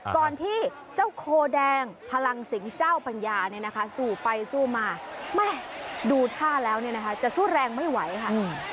ก่อนที่เจ้าโคแดงพลังสิงห์เจ้าปัญญาเนี่ยนะคะสู้ไปสู้มาแม่ดูท่าแล้วเนี่ยนะคะจะสู้แรงไม่ไหวค่ะ